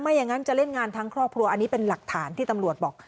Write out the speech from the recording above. อย่างนั้นจะเล่นงานทั้งครอบครัวอันนี้เป็นหลักฐานที่ตำรวจบอก